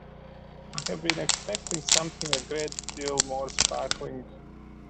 I had been expecting something a great deal more sparkling.